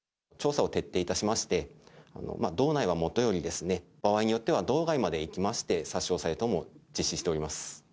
調査を徹底いたしまして、道内はもとより、場合によっては道外まで行きまして、差し押さえ等も実施しております。